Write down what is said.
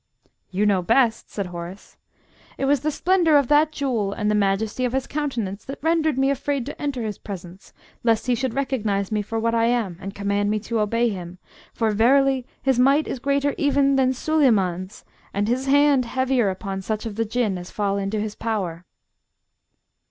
"You know best," said Horace. "It was the splendour of that jewel and the majesty of his countenance that rendered me afraid to enter his presence, lest he should recognise me for what I am and command me to obey him, for verily his might is greater even than Suleyman's, and his hand heavier upon such of the Jinn as fall into his power!"